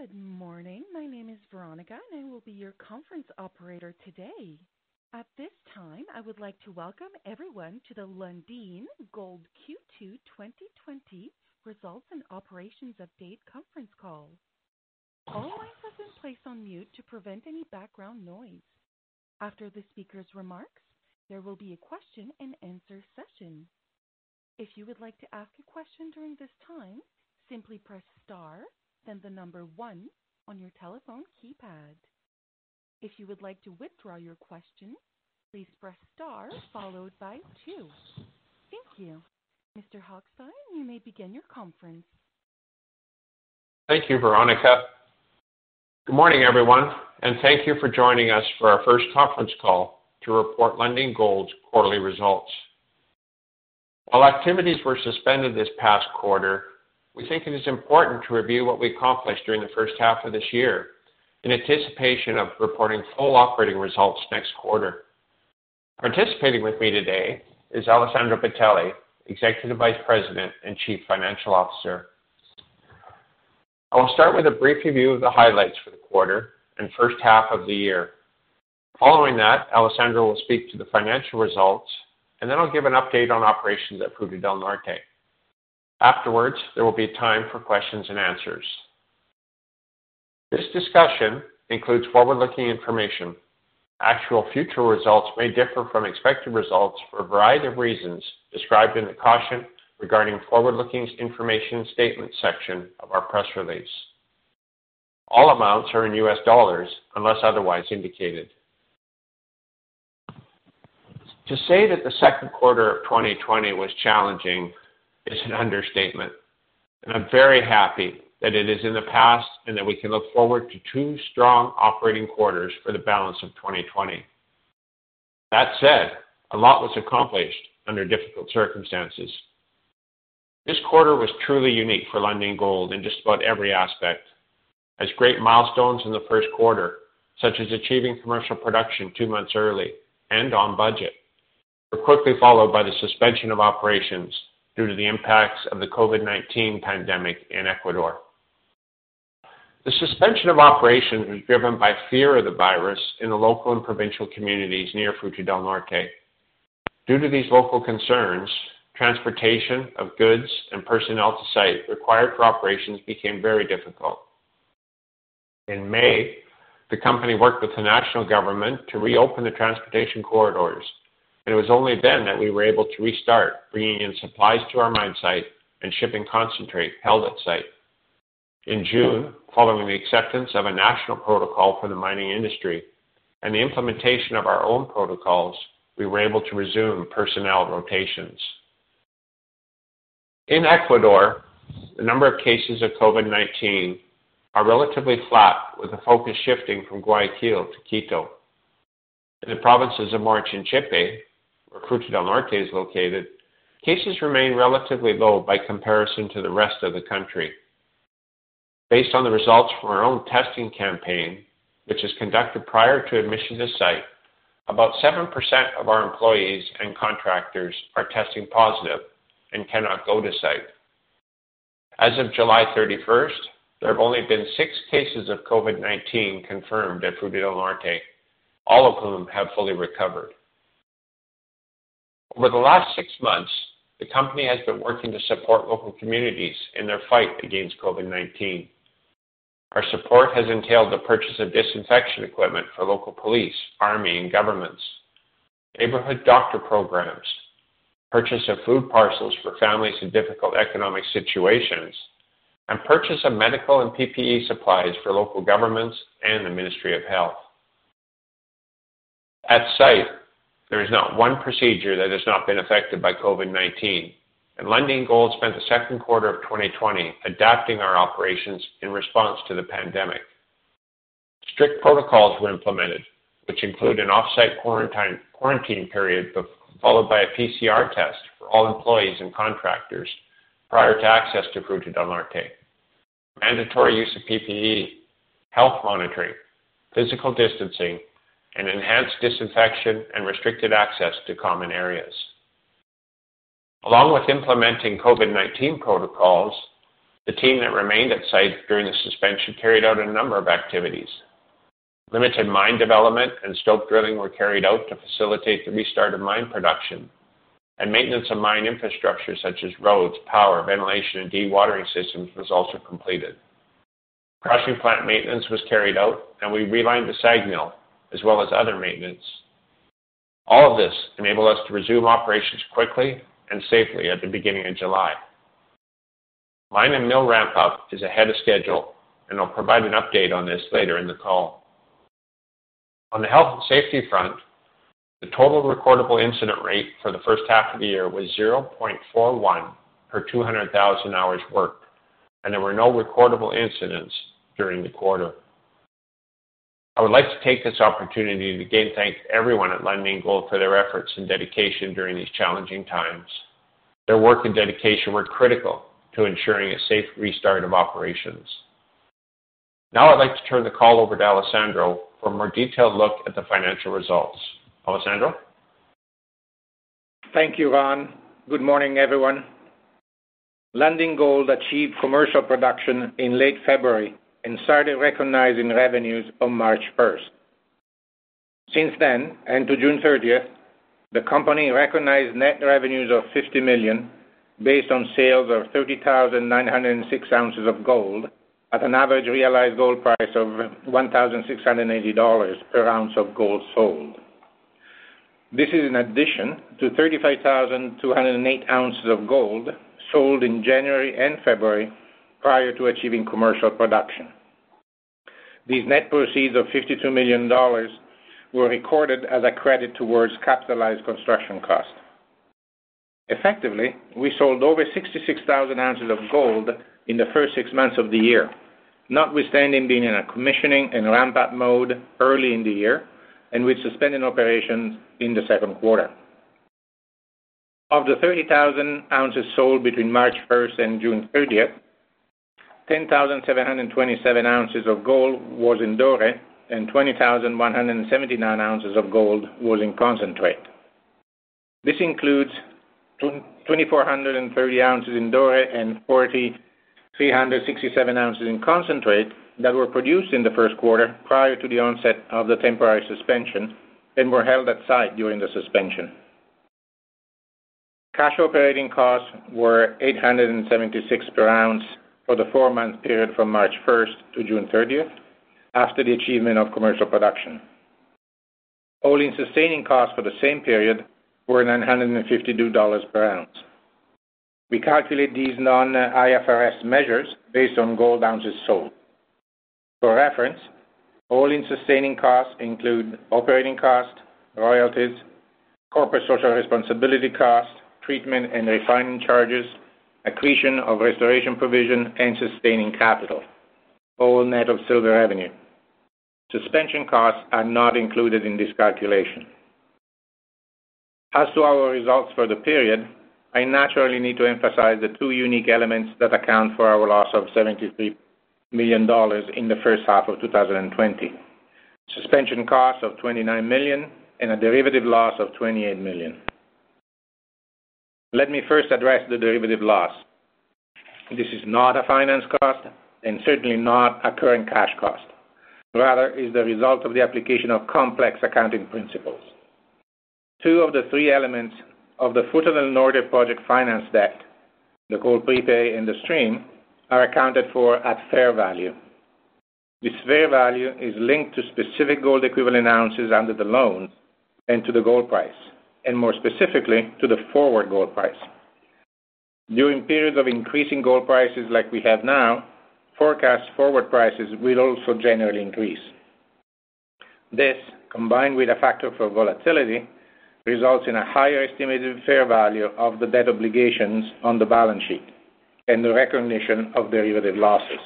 Good morning. My name is Veronica, and I will be your conference operator today. At this time, I would like to welcome everyone to the Lundin Gold Q2 2020 results and operations update conference call. All lines have been placed on mute to prevent any background noise. After the speakers' remarks, there will be a question and answer session. If you would like to ask a question during this time, simply press star, then the number one on your telephone keypad. If you would like to withdraw your question, please press star followed by two. Thank you. Mr. Hochstein, you may begin your conference. Thank you, Veronica. Good morning, everyone, and thank you for joining us for our first conference call to report Lundin Gold's quarterly results. While activities were suspended this past quarter, we think it is important to review what we accomplished during the first half of this year in anticipation of reporting full operating results next quarter. Participating with me today is Alessandro Bitelli, Executive Vice President and Chief Financial Officer. I will start with a brief review of the highlights for the quarter and first half of the year. Following that, Alessandro will speak to the financial results, and then I'll give an update on operations at Fruta del Norte. Afterwards, there will be time for questions and answers. This discussion includes forward-looking information. Actual future results may differ from expected results for a variety of reasons described in the Caution Regarding Forward-looking Information Statement section of our press release. All amounts are in U.S. dollars unless otherwise indicated. To say that the second quarter of 2020 was challenging is an understatement, and I'm very happy that it is in the past and that we can look forward to two strong operating quarters for the balance of 2020. That said, a lot was accomplished under difficult circumstances. This quarter was truly unique for Lundin Gold in just about every aspect, as great milestones in the first quarter, such as achieving commercial production two months early and on budget, were quickly followed by the suspension of operations due to the impacts of the COVID-19 pandemic in Ecuador. The suspension of operations was driven by fear of the virus in the local and provincial communities near Fruta del Norte. Due to these local concerns, transportation of goods and personnel to site required for operations became very difficult. In May, the company worked with the national government to reopen the transportation corridors, and it was only then that we were able to restart bringing in supplies to our mine site and shipping concentrate held at site. In June, following the acceptance of a national protocol for the mining industry and the implementation of our own protocols, we were able to resume personnel rotations. In Ecuador, the number of cases of COVID-19 are relatively flat, with the focus shifting from Guayaquil to Quito. In the provinces of Morona-Santiago and Zamora-Chinchipe, where Fruta del Norte is located, cases remain relatively low by comparison to the rest of the country. Based on the results from our own testing campaign, which is conducted prior to admission to site, about 7% of our employees and contractors are testing positive and cannot go to site. As of July 31st, there have only been six cases of COVID-19 confirmed at Fruta del Norte, all of whom have fully recovered. Over the last six months, the company has been working to support local communities in their fight against COVID-19. Our support has entailed the purchase of disinfection equipment for local police, army, and governments, neighborhood doctor programs, purchase of food parcels for families in difficult economic situations, and purchase of medical and PPE supplies for local governments and the Ministry of Health. At site, there is not one procedure that has not been affected by COVID-19, and Lundin Gold spent the second quarter of 2020 adapting our operations in response to the pandemic. Strict protocols were implemented, which include an off-site quarantine period, followed by a PCR test for all employees and contractors prior to access to Fruta del Norte. Mandatory use of PPE, health monitoring, physical distancing, and enhanced disinfection and restricted access to common areas. Along with implementing COVID-19 protocols, the team that remained at site during the suspension carried out a number of activities. Limited mine development and stope drilling were carried out to facilitate the restart of mine production, and maintenance of mine infrastructure such as roads, power, ventilation, and dewatering systems was also completed. Crushing plant maintenance was carried out, and we relined the SAG mill as well as other maintenance. All of this enabled us to resume operations quickly and safely at the beginning of July. Mine and mill ramp-up is ahead of schedule, and I'll provide an update on this later in the call. On the health and safety front, the total recordable incident rate for the first half of the year was 0.41 per 200,000 hours worked, and there were no recordable incidents during the quarter. I would like to take this opportunity to again thank everyone at Lundin Gold for their efforts and dedication during these challenging times. Their work and dedication were critical to ensuring a safe restart of operations. I'd like to turn the call over to Alessandro for a more detailed look at the financial results. Alessandro? Thank you, Ron. Good morning, everyone. Lundin Gold achieved commercial production in late February and started recognizing revenues on March 1st. Since then, and to June 30th, the company recognized net revenues of $50 million based on sales of 30,906 ounces of gold at an average realized gold price of $1,680 per ounce of gold sold. This is in addition to 35,208 ounces of gold sold in January and February prior to achieving commercial production. These net proceeds of $52 million were recorded as a credit towards capitalized construction costs. Effectively, we sold over 66,000 ounces of gold in the first six months of the year, notwithstanding being in a commissioning and ramp-up mode early in the year, and with suspended operations in the second quarter. Of the 30,000 ounces sold between March 1st and June 30th, 10,727 ounces of gold was in Doré, and 20,179 ounces of gold was in concentrate. This includes 2,430 ounces in Doré and 4,367 ounces in concentrate that were produced in the first quarter prior to the onset of the temporary suspension and were held at site during the suspension. Cash operating costs were $876 per ounce for the four-month period from March 1st to June 30th after the achievement of commercial production. All-in sustaining costs for the same period were $952 per ounce. We calculate these non-IFRS measures based on gold ounces sold. For reference, all-in sustaining costs include operating costs, royalties, corporate social responsibility costs, treatment and refining charges, accretion of restoration provision, and sustaining capital, all net of silver revenue. Suspension costs are not included in this calculation. As to our results for the period, I naturally need to emphasize the two unique elements that account for our loss of $73 million in the first half of 2020. Suspension costs of $29 million and a derivative loss of $28 million. Let me first address the derivative loss. This is not a finance cost and certainly not a current cash cost. Rather, is the result of the application of complex accounting principles. Two of the three elements of the Fruta del Norte project finance debt, the gold prepay and the stream, are accounted for at fair value. This fair value is linked to specific gold equivalent ounces under the loan and to the gold price, and more specifically, to the forward gold price. During periods of increasing gold prices like we have now, forecast forward prices will also generally increase. This, combined with a factor for volatility, results in a higher estimated fair value of the debt obligations on the balance sheet and the recognition of derivative losses.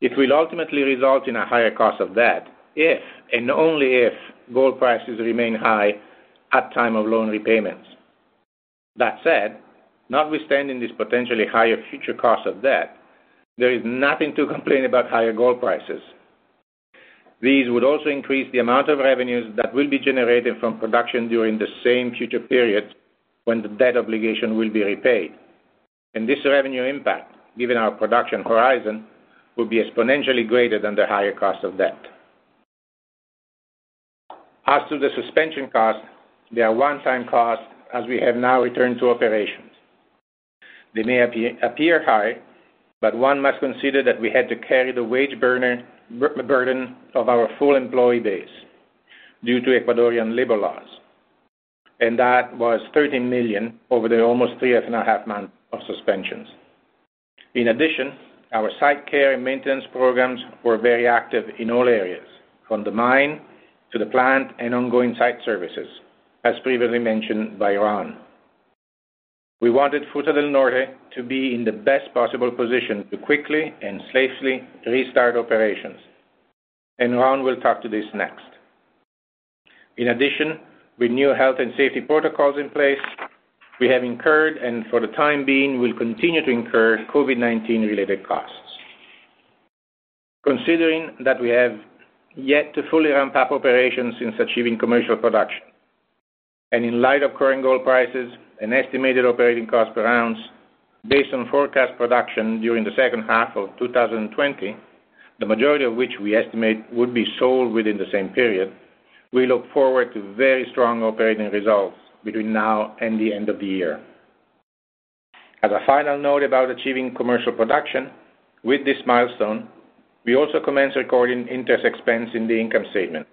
It will ultimately result in a higher cost of debt if, and only if, gold prices remain high at time of loan repayments. That said, notwithstanding this potentially higher future cost of debt, there is nothing to complain about higher gold prices. These would also increase the amount of revenues that will be generated from production during the same future period when the debt obligation will be repaid. This revenue impact, given our production horizon, will be exponentially greater than the higher cost of debt. As to the suspension cost, they are one-time costs as we have now returned to operations. They may appear high, but one must consider that we had to carry the wage burden of our full employee base due to Ecuadorian labor laws, and that was $13 million over the almost three and a half months of suspensions. In addition, our site care and maintenance programs were very active in all areas, from the mine to the plant and ongoing site services, as previously mentioned by Ron. We wanted Fruta del Norte to be in the best possible position to quickly and safely restart operations, and Ron will talk to this next. In addition, with new health and safety protocols in place, we have incurred, and for the time being, will continue to incur COVID-19 related costs. Considering that we have yet to fully ramp up operations since achieving commercial production, and in light of current gold prices and estimated operating costs per ounce based on forecast production during the second half of 2020, the majority of which we estimate would be sold within the same period, we look forward to very strong operating results between now and the end of the year. As a final note about achieving commercial production, with this milestone, we also commenced recording interest expense in the income statement,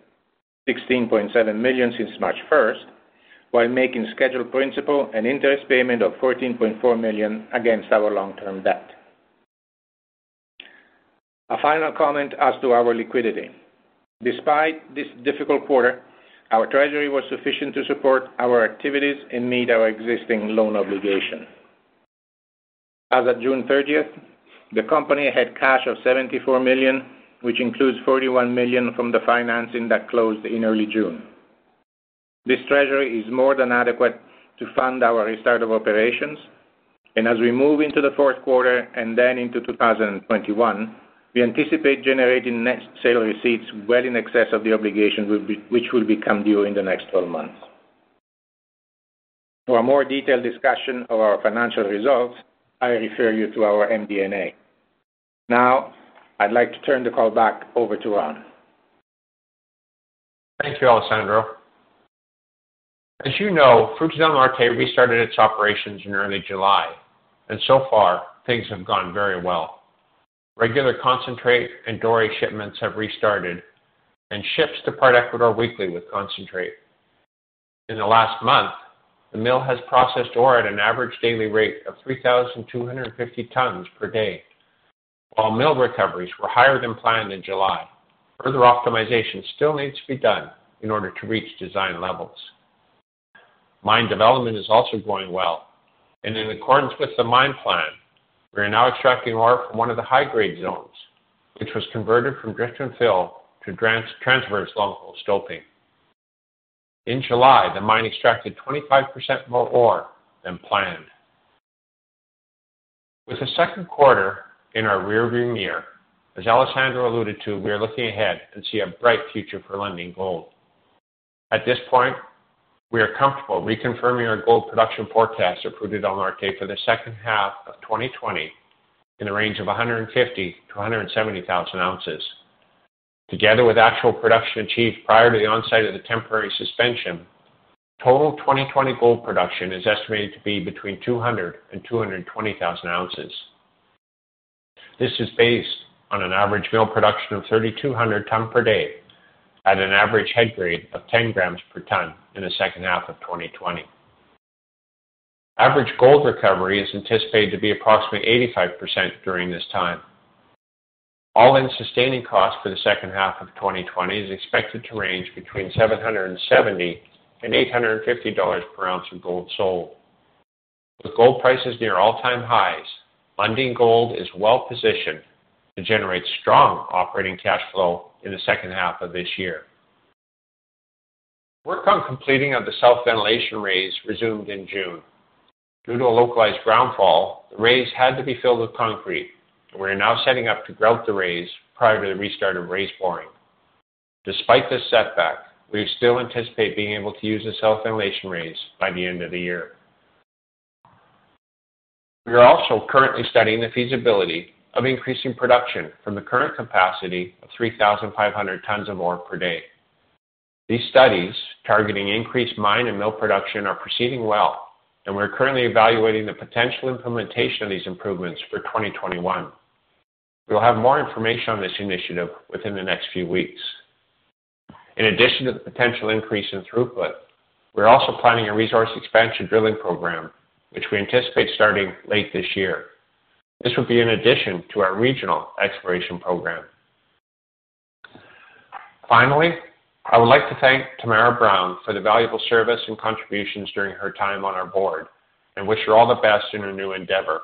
$16.7 million since March 1st, while making scheduled principal and interest payment of $14.4 million against our long-term debt. A final comment as to our liquidity. Despite this difficult quarter, our treasury was sufficient to support our activities and meet our existing loan obligation. As of June 30th, the company had cash of $74 million, which includes $41 million from the financing that closed in early June. This treasury is more than adequate to fund our restart of operations. As we move into the fourth quarter and then into 2021, we anticipate generating net sale receipts well in excess of the obligation which will become due in the next 12 months. For a more detailed discussion of our financial results, I refer you to our MD&A. I'd like to turn the call back over to Ron. Thank you, Alessandro. As you know, Fruta del Norte restarted its operations in early July, and so far things have gone very well. Regular concentrate and Doré shipments have restarted, and ships depart Ecuador weekly with concentrate. In the last month, the mill has processed ore at an average daily rate of 3,250 tons per day. While mill recoveries were higher than planned in July, further optimization still needs to be done in order to reach design levels. Mine development is also going well. In accordance with the mine plan, we are now extracting ore from one of the high-grade zones, which was converted from drift and fill to transverse stoping. In July, the mine extracted 25% more ore than planned. With the second quarter in our rearview mirror, as Alessandro alluded to, we are looking ahead and see a bright future for Lundin Gold. At this point, we are comfortable reconfirming our gold production forecast for Fruta del Norte for the second half of 2020 in the range of 150,000-170,000 ounces. Together with actual production achieved prior to the onset of the temporary suspension, total 2020 gold production is estimated to be between 200,000 and 220,000 ounces. This is based on an average mill production of 3,200 tons per day at an average head grade of 10 grams per ton in the second half of 2020. Average gold recovery is anticipated to be approximately 85% during this time. All-in sustaining costs for the second half of 2020 is expected to range between $770 and $850 per ounce of gold sold. With gold prices near all-time highs, Lundin Gold is well positioned to generate strong operating cash flow in the second half of this year. Work on completing of the South Ventilation Raise. Due to a localized ground fall, the raise had to be filled with concrete. We're now setting up to grout the raise prior to the restart of raise boring. Despite this setback, we still anticipate being able to use the South Ventilation Raise by the end of the year. We are also currently studying the feasibility of increasing production from the current capacity of 3,500 tons of ore per day. These studies targeting increased mine and mill production are proceeding well, and we're currently evaluating the potential implementation of these improvements for 2021. We'll have more information on this initiative within the next few weeks. In addition to the potential increase in throughput, we're also planning a resource expansion drilling program, which we anticipate starting late this year. This would be in addition to our regional exploration program. I would like to thank Tamara Brown for the valuable service and contributions during her time on our board, and wish her all the best in her new endeavor.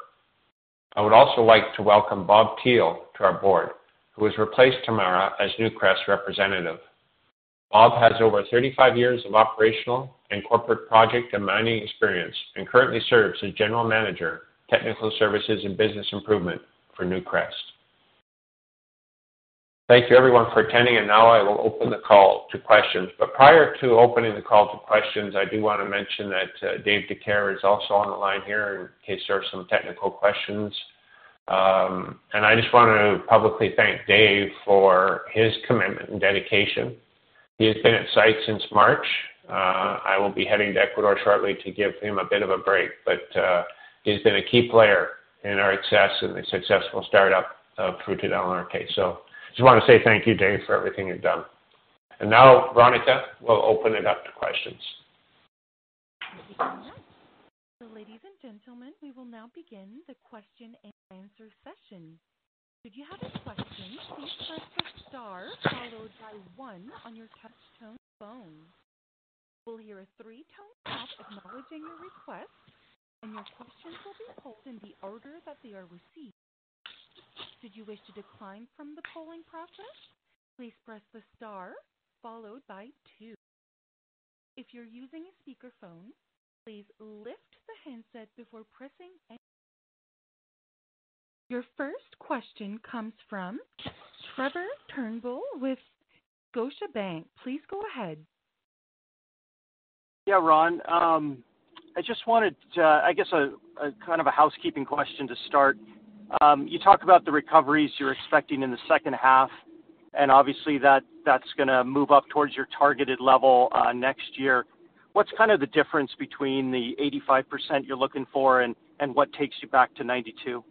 I would also like to welcome Bob Thiele to our board, who has replaced Tamara as Newcrest representative. Bob has over 35 years of operational and corporate project and mining experience, and currently serves as General Manager, Technical Services and Business Improvement for Newcrest. Thank you everyone for attending. Now I will open the call to questions. Prior to opening the call to questions, I do want to mention that Dave Dicaire is also on the line here in case there's some technical questions. I just want to publicly thank Dave for his commitment and dedication. He has been at site since March. I will be heading to Ecuador shortly to give him a bit of a break. He's been a key player in our success and the successful startup of Fruta del Norte. I just want to say thank you, Dave, for everything you've done. Now, Veronica, we'll open it up to questions. Thank you, Ron. Ladies and gentlemen, we will now begin the question and answer session. Should you have a question, please press star followed by one on your touchtone phone. You will hear a three-tone pop acknowledging your request, and your questions will be pulled in the order that they are received. Should you wish to decline from the polling process, please press the star followed by two. If you're using a speakerphone, please lift the handset before pressing any. Your first question comes from Trevor Turnbull with Scotiabank. Please go ahead. Yeah, Ron. I just wanted to, I guess, a kind of a housekeeping question to start. You talk about the recoveries you're expecting in the second half, obviously that's going to move up towards your targeted level next year. What's the difference between the 85% you're looking for and what takes you back to 92%?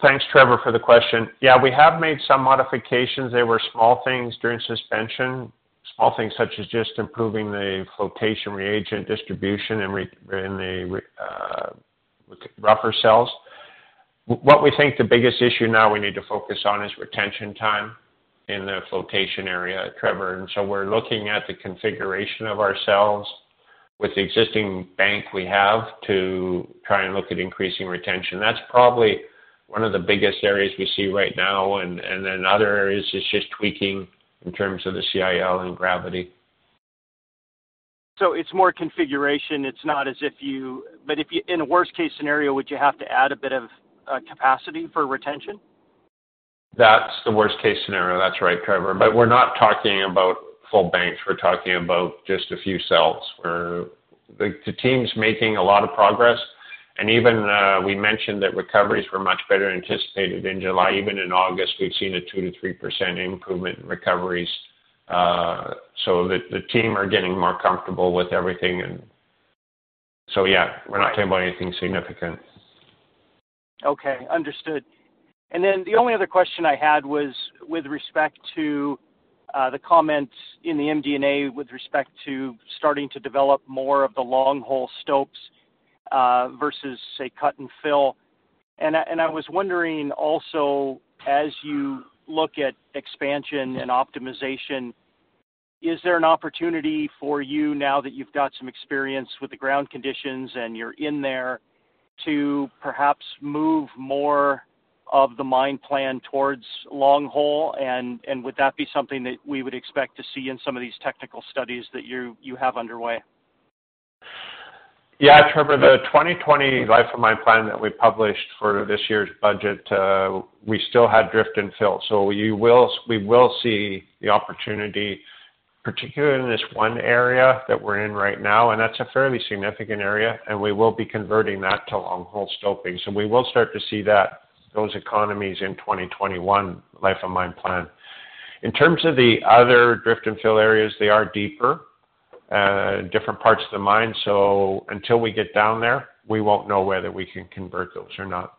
Thanks, Trevor, for the question. Yeah, we have made some modifications. They were small things during suspension. Small things such as just improving the flotation reagent distribution in the rougher cells. What we think the biggest issue now we need to focus on is retention time in the flotation area, Trevor. We're looking at the configuration of our cells with the existing bank we have to try and look at increasing retention. That's probably one of the biggest areas we see right now, and then other areas is just tweaking in terms of the CIL and gravity. It's more configuration. In a worst-case scenario, would you have to add a bit of capacity for retention? That's the worst-case scenario. That's right, Trevor. We're not talking about full banks. We're talking about just a few cells. The team's making a lot of progress, and even we mentioned that recoveries were much better than anticipated in July. Even in August, we've seen a 2%-3% improvement in recoveries. The team are getting more comfortable with everything, and so yeah, we're not talking about anything significant. Okay, understood. The only other question I had was with respect to the comments in the MD&A, with respect to starting to develop more of the long-hole stopes versus, say, cut and fill. I was wondering also, as you look at expansion and optimization, is there an opportunity for you now that you've got some experience with the ground conditions and you're in there to perhaps move more of the mine plan towards long hole? Would that be something that we would expect to see in some of these technical studies that you have underway? Yeah, Trevor, the 2020 life of mine plan that we published for this year's budget, we still had drift and fill. We will see the opportunity, particularly in this one area that we're in right now, and that's a fairly significant area, and we will be converting that to long-hole stoping. We will start to see those economies in 2021 life of mine plan. In terms of the other drift and fill areas, they are deeper, different parts of the mine. Until we get down there, we won't know whether we can convert those or not.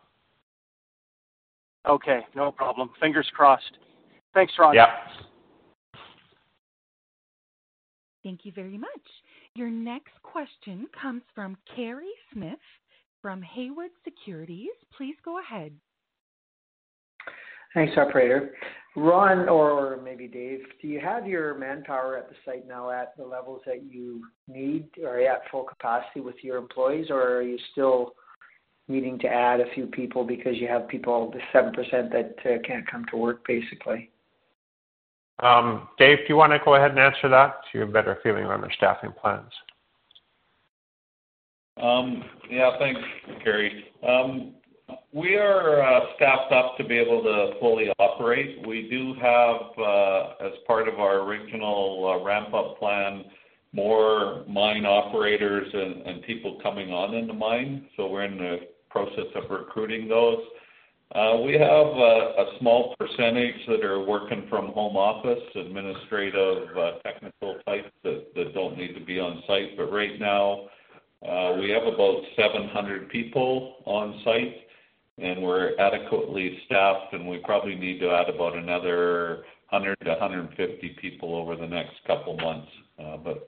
Okay, no problem. Fingers crossed. Thanks, Ron. Yeah. Thank you very much. Your next question comes from Kerry Smith from Haywood Securities. Please go ahead. Thanks, operator. Ron, or maybe Dave, do you have your manpower at the site now at the levels that you need? Are you at full capacity with your employees, or are you still needing to add a few people because you have people, the 7% that can't come to work, basically? Dave, do you want to go ahead and answer that? You have a better feeling on our staffing plans. Yeah. Thanks, Kerry. We are staffed up to be able to fully operate. We do have, as part of our original ramp-up plan, more mine operators and people coming on in the mine. We're in the process of recruiting those. We have a small percentage that are working from home office, administrative, technical types that don't need to be on site. Right now, we have about 700 people on site, and we're adequately staffed, and we probably need to add about another 100 to 150 people over the next couple of months.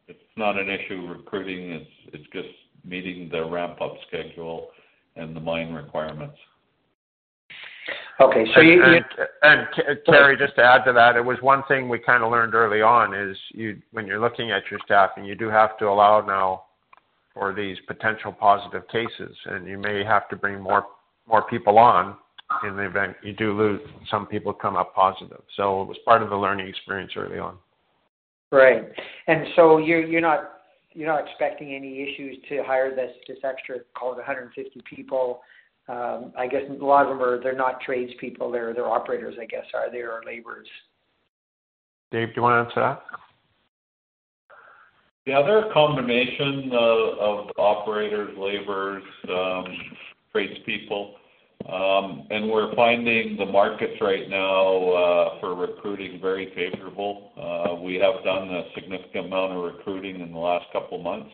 It's not an issue recruiting. It's just meeting the ramp-up schedule and the mine requirements. Okay. So you- Kerry, just to add to that, it was one thing we kind of learned early on is when you're looking at your staffing, you do have to allow now for these potential positive cases, and you may have to bring more people on in the event you do lose some people come up positive. It was part of the learning experience early on. Right. You're not expecting any issues to hire this extra call it 150 people. I guess a lot of them are, they're not tradespeople. They're operators, I guess, are there, or laborers. Dave, do you want to answer that? Yeah. They're a combination of operators, laborers, tradespeople. We're finding the markets right now for recruiting very favorable. We have done a significant amount of recruiting in the last couple of months,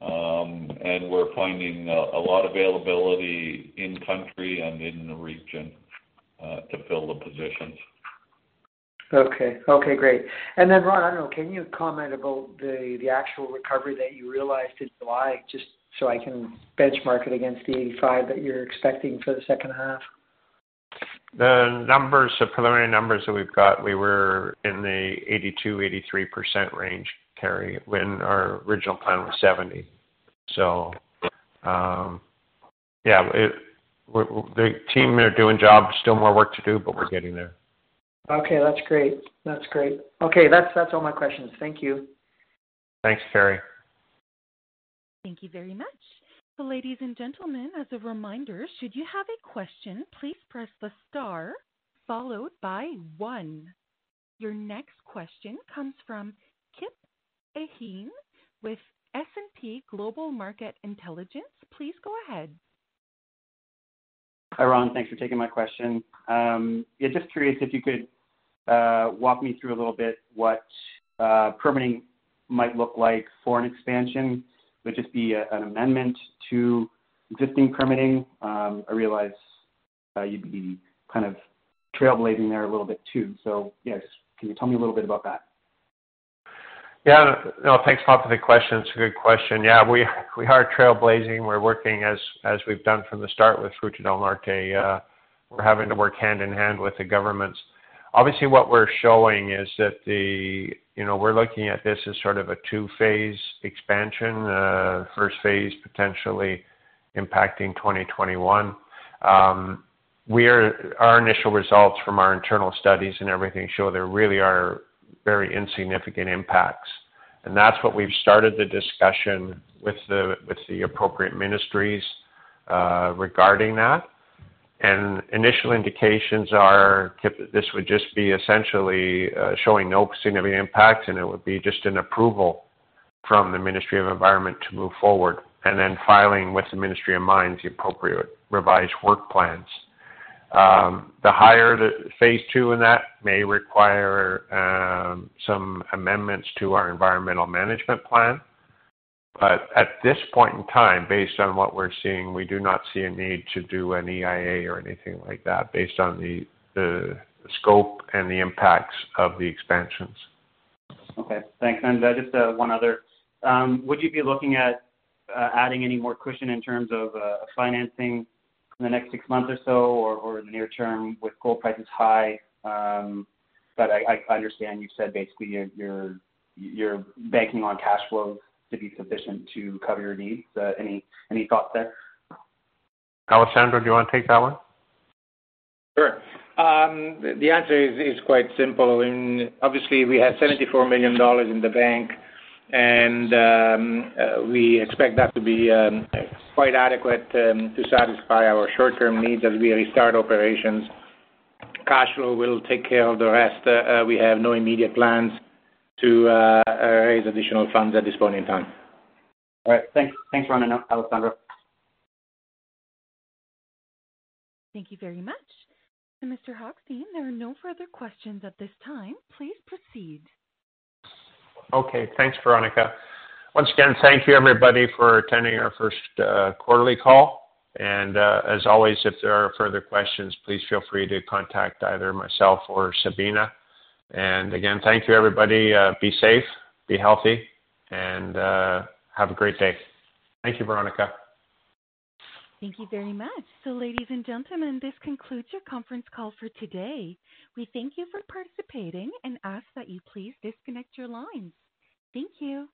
and we're finding a lot of availability in country and in the region to fill the positions. Okay. Okay, great. Ron, I don't know, can you comment about the actual recovery that you realized in July, just so I can benchmark it against the 85% that you're expecting for the second half? The preliminary numbers that we've got, we were in the 82%-83% range, Kerry, when our original plan was 70%. Yeah. The team are doing jobs. Still more work to do, but we're getting there. Okay. That's great. Okay. That's all my questions. Thank you. Thanks, Kerry. Thank you very much. Ladies and gentlemen, as a reminder, should you have a question, please press the star followed by one. Your next question comes from Kip Keen with S&P Global Market Intelligence. Please go ahead. Hi, Ron. Thanks for taking my question. Yeah, just curious if you could walk me through a little bit what permitting might look like for an expansion. Would just be an amendment to existing permitting? I realize you'd be kind of trailblazing there a little bit too. Yes, can you tell me a little bit about that? Thanks for the question. It's a good question. We are trailblazing. We're working as we've done from the start with Fruta del Norte. We're having to work hand in hand with the governments. Obviously, what we're showing is that we're looking at this as sort of a two-phase expansion. First phase potentially impacting 2021. Our initial results from our internal studies and everything show there really are very insignificant impacts, and that's what we've started the discussion with the appropriate ministries regarding that. Initial indications are this would just be essentially showing no significant impact, and it would be just an approval from the Ministry of Environment to move forward, and then filing with the Ministry of Mines the appropriate revised work plans. The higher the phase II in that may require some amendments to our environmental management plan. At this point in time, based on what we're seeing, we do not see a need to do an EIA or anything like that based on the scope and the impacts of the expansions. Okay, thanks. Just one other. Would you be looking at adding any more cushion in terms of financing in the next six months or so, or in the near term with gold prices high? I understand you said basically you're banking on cash flows to be sufficient to cover your needs. Any thoughts there? Alessandro, do you want to take that one? Sure. The answer is quite simple. Obviously, we have $74 million in the bank, and we expect that to be quite adequate to satisfy our short-term needs as we restart operations. Cash flow will take care of the rest. We have no immediate plans to raise additional funds at this point in time. All right. Thanks, Ron and Alessandro. Thank you very much. Mr. Hochstein, there are no further questions at this time. Please proceed. Okay. Thanks, Veronica. Once again, thank you everybody for attending our first quarterly call, and as always, if there are further questions, please feel free to contact either myself or Sabina. Again, thank you, everybody. Be safe, be healthy, and have a great day. Thank you, Veronica. Thank you very much. Ladies and gentlemen, this concludes your conference call for today. We thank you for participating and ask that you please disconnect your lines. Thank you.